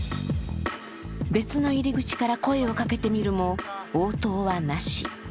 別の入り口から声をかけてみるも応答はなし。